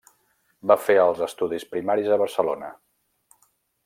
Va fer els estudis primaris a Barcelona.